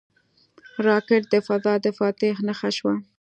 راکټ د فضا د فاتح نښه شوه